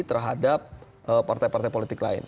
terhadap partai partai politik lain